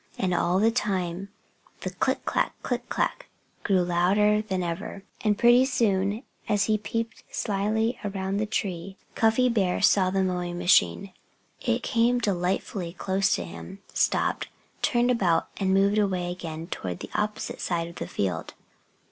And all the time the click clack click clack grew louder than ever. And pretty soon, as he peeped slyly around the tree, Cuffy Bear saw the mowing machine. It came delightfully close to him, stopped, turned about, and moved away again toward the opposite side of the field.